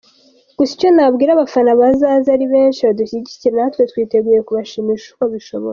Gusa icyo nabwira abafana bazaze ari benshi badushyigikire natwe twiteguye kubashimisha uko bishoboka.